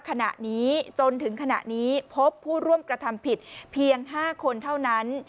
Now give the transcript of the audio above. ขณะนี้จนถึงขณะนี้พบผู้ร่วมกระทำผิดเพียง๕คนเท่านั้น